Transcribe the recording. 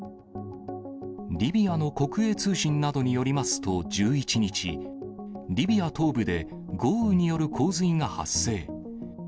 リビアの国営通信などによりますと１１日、リビア東部で豪雨による洪水が発生。